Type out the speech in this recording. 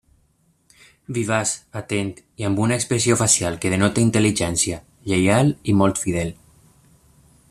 Vivaç, atent i amb una expressió facial que denota intel·ligència, lleial i molt fidel.